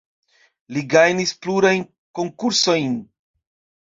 Li gajnis plurajn konkursojn.